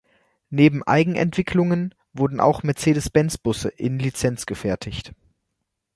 Neben Eigenentwicklungen wurden auch Mercedes-Benz-Busse in Lizenz gefertigt.